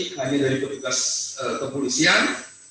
hanya dari petugas kepolisian